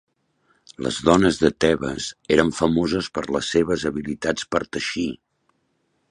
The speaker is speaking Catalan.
Les dones de Tebes eren famoses per les seves habilitats per teixir.